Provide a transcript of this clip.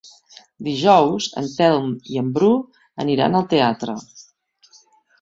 Dijous en Telm i en Bru aniran al teatre.